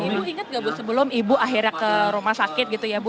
ibu inget gak ibu sebelum ibu akhirnya ke rumah sakit gitu ya ibu